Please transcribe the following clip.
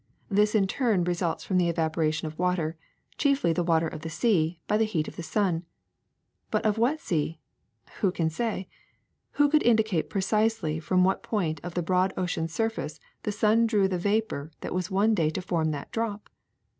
This in turn results from the evaporation of water, chiefly the water of the sea, by the heat of the sun. But of what sea? Who can say? Who could indicate precisely from what point of the broad ocean's surface the sun drew the vapor that was one day to form that drop